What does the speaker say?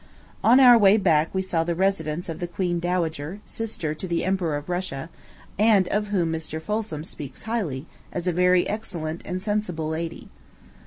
On our way back we saw the residence of the queen dowager, sister to the Emperor of Russia, and of whom Mr. Folsom speaks highly, as a very excellent and sensible lady.